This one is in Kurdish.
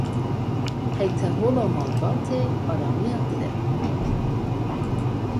Heytehola malbatê, aramiya dil e.